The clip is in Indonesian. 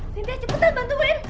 sinti cepetan bantu gue